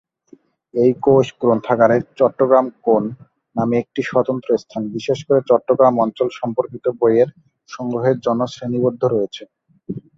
এই কোষ গ্রন্থাগারে "চট্টগ্রাম কোণ" নামে একটি স্বতন্ত্র স্থান, বিশেষ করে চট্টগ্রাম অঞ্চল সম্পর্কিত বইয়ের সংগ্রহের জন্য শ্রেণীবদ্ধ রয়েছে।